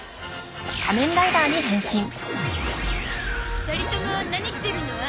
２人とも何してるの？